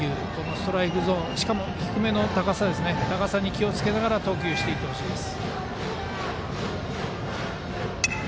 ストライクゾーンしかも低めの高さに気をつけながら投球していってほしいです。